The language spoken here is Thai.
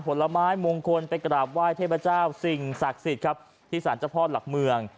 ผลไม้มงคลไปกราบไหว้เทพเจ้าสิ่งศักดิ์สิทธิ์ครับที่สารเจ้าพ่อหลักเมือง